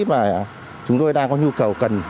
mà chúng tôi đang có nhu cầu cần